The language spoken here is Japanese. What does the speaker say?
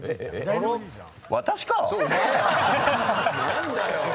何だよ！